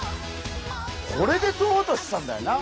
これでとろうとしてたんだよな。